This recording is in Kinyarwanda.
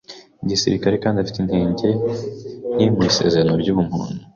gisirikare kandi afite intege nke mu isezerano ry'ubumuntu